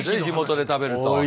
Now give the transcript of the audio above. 地元で食べると。